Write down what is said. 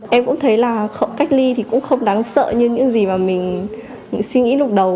em cũng thấy là cách ly thì cũng không đáng sợ như những gì mà mình suy nghĩ lúc đầu